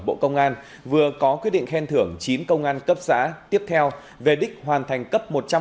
bộ công an vừa có quyết định khen thưởng chín công an cấp xã tiếp theo về đích hoàn thành cấp một trăm linh